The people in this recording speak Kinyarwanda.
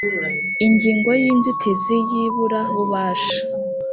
ingingo ya inzitizi y iburabubasha